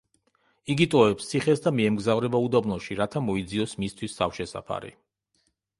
იგი ტოვებს ციხეს და მიემგზავრება უდაბნოში, რათა მოიძიოს მისთვის თავშესაფარი.